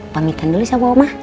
pamitkan dulu sama oma ya